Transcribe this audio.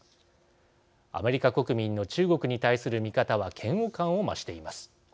アメリカ国民の中国に対する見方は嫌悪感を増しています。